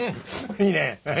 いいねえ！